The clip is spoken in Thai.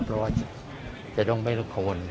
เพราะว่าจะต้องไม่รบโคน